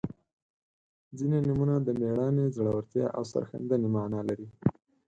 • ځینې نومونه د میړانې، زړورتیا او سرښندنې معنا لري.